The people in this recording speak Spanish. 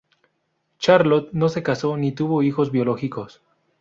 Charlotte no se casó, ni tuvo hijos biológicos.